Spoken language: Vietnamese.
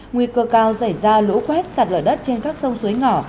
nguy cơ cao xảy ra lũ quét sạt lở đất trên các sông suối ngỏ